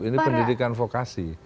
ini pendidikan vokasi